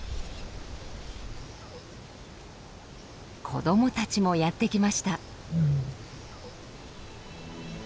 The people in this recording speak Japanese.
子どもたちもやって来ました。